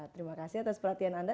terima kasih atas perhatian anda